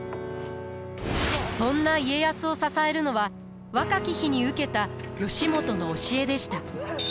そんな家康を支えるのは若き日に受けた義元の教えでした。